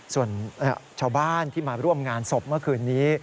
ส่วนชาวบ้านที่มาร่วมงานศพเมื่อคืนนี้